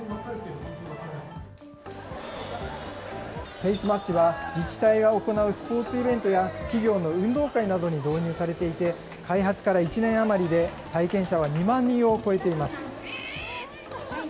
フェイスマッチは、自治体が行うスポーツイベントや企業の運動会などに導入されていて、開発から１年余りで、体験者は２万人を超えています。